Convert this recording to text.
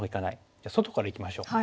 じゃあ外からいきましょう。